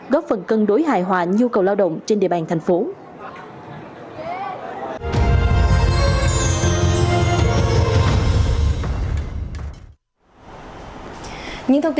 góp phần cân đối hại hỏa nhu cầu lao động trên địa bàn thành phố